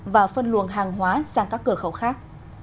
và phân luồng hàng hóa sang các cửa khẩu khác